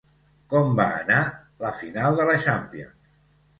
Com va anar la final de la champions?